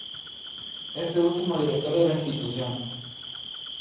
Este último director de la Institución.